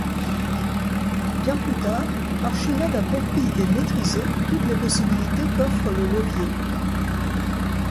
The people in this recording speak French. Bien plus tard, Archimède a compris et maitrisé toutes les possibilités qu’offre le levier.